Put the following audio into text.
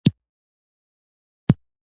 د قهوې دانه د څه لپاره وکاروم؟